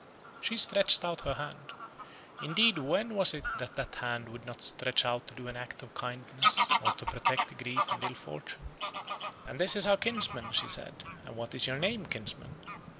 She stretched out her hand indeed when was it that that hand would not stretch out to do an act of kindness, or to protect grief and ill fortune? "And this is our kinsman," she said "and what is your name, kinsman?"